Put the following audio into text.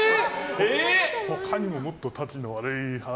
他にももっとたちの悪い話。